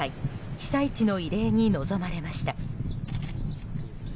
被災地の慰霊に臨まれました。